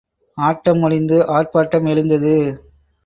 ஆட்டம் முடிந்து ஆர்ப்பாட்டம் எழுந்தது.